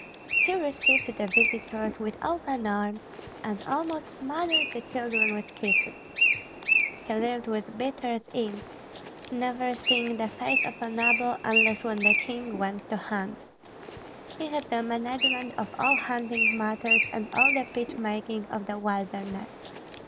He received the visitors with open arms, and almost smothered the children with kisses. He lived with beaters in, never seeing the face of a noble unless when the king went to hunt. He had the management of all hunting matters and all the pitch making of the wilderness.